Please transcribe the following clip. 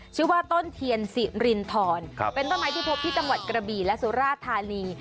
ชื่อว่าต้นเทียนสิรินทรเป็นต้นไม้ที่พบที่จังหวัดกระบี่และสุราธานี